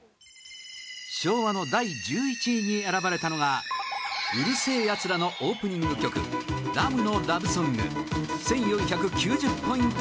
昭和の第１１位に選ばれたのが『うる星やつら』のオープニング曲『ラムのラブソング』１４９０ポイント